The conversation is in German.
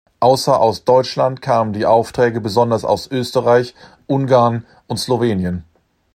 Außer aus Deutschland kamen die Aufträge besonders aus Österreich, Ungarn und Slowenien.